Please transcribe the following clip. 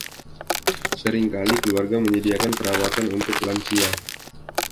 Sering kali keluarga menyediakan perawatan untuk lansia.